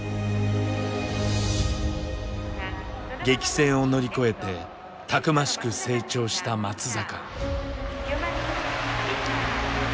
激戦を乗り越えてたくましく成長した松坂。